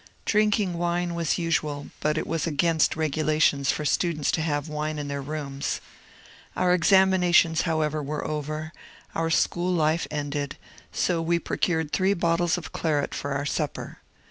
Drinking wine was usual, but it was against regulations for students to have wine in their rooms. Our ex aminations however were over, our school life ended, so we procured three bottles of claret for our supper.